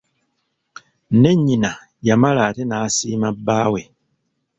Ne nnyina yamala ate n'asiima bbaawe.